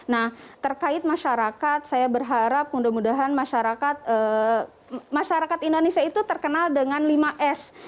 nah terkait masyarakat saya berharap mudah mudahan masyarakat indonesia itu terkenal dengan lima s